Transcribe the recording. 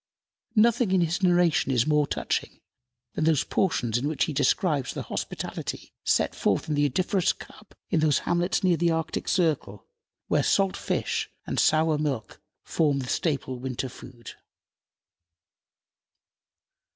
Nothing in his narration is more touching than those portions in which he describes the hospitality set forth in the odoriferous cup in those hamlets near the Arctic circle, where salt fish and sour milk form the staple winter food.